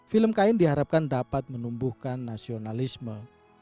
film kain diharapkan dapat menumbuhkan nasionalisme